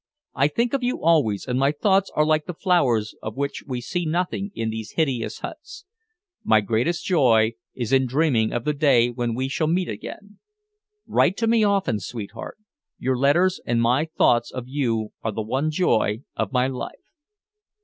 I think of you always, and my thoughts are like the flowers of which we see nothing in these hideous huts. My greatest joy is in dreaming of the day when we shall meet again. Write to me often, sweetheart. Your letters and my thoughts of you are the one joy of my life.